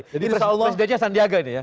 jadi presidennya sandiaga ini ya